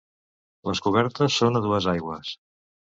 Les cobertes són a dues aigües.